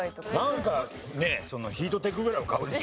なんかねヒートテックぐらいは買うでしょ。